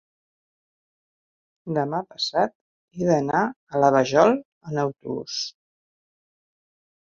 demà passat he d'anar a la Vajol amb autobús.